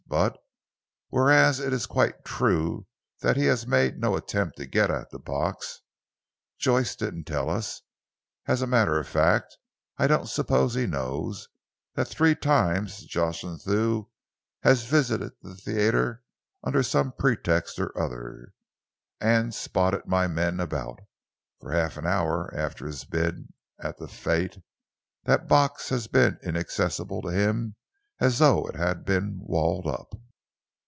But whereas it is quite true that he has made no attempt to get at the box, Joyce didn't tell us as a matter of fact, I don't suppose he knows that three times Jocelyn Thew has visited the theatre under some pretext or other, and spotted my men about. From half an hour after his bid at the fete, that box has been as inaccessible to him as though it had been walled up."